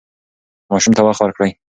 ماشوم ته وخت ورکړئ.